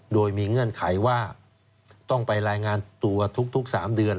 โดยมีเงื่อนไขว่าต้องไปรายงานตัวทุก๓เดือน